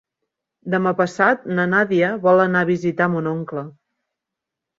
Demà passat na Nàdia vol anar a visitar mon oncle.